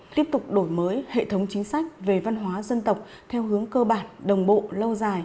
tiếp tục đổi mới hệ thống chính sách về văn hóa dân tộc theo hướng cơ bản đồng bộ lâu dài